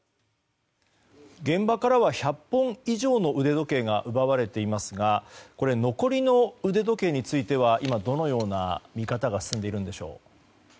現場からは１００本以上の腕時計が奪われていますが残りの腕時計については今、どのような見方が進んでいるんでしょう。